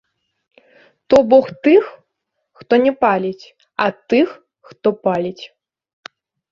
То бок тых, хто не паліць, ад тых, хто паліць.